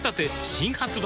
新発売